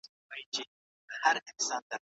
د ادب ژبه د ميني ژبه ده.